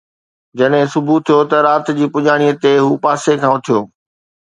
جڏهن صبح ٿيو ته رات جي پڄاڻيءَ تي هو پاسي کان اٿيو